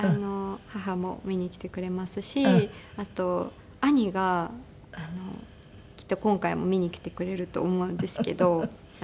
母も見に来てくれますしあと兄がきっと今回も見に来てくれると思うんですけど。